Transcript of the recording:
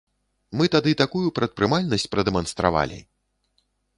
Мы тады такую прадпрымальнасць прадэманстравалі!